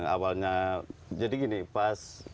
awalnya jadi gini pas